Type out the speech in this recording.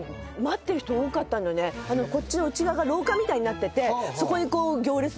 こっちの内側が廊下みたいになってて。